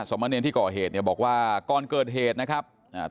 สมเนรที่ก่อเหตุเนี่ยบอกว่าก่อนเกิดเหตุนะครับอ่า